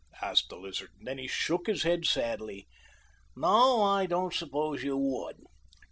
asked the Lizard, and then he shook his head sadly. "No, I don't suppose you would.